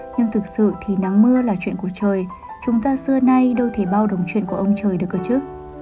nhưng thực sự thì nắng mưa là chuyện của trời chúng ta xưa nay đô thể bao đồng truyền của ông trời được ở trước